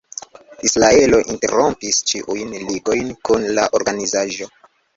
Israelo interrompis ĉiujn ligojn kun la organizaĵo.